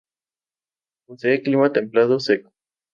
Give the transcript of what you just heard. Posee clima templado seco.